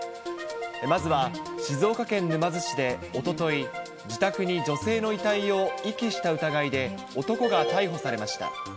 まずは静岡県沼津市でおととい、自宅に女性の遺体を遺棄した疑いで、男が逮捕されました。